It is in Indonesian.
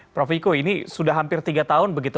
prof wiku ini sudah hampir tiga tahun begitu